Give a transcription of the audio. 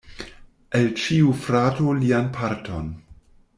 Al ĉiu frato lian parton.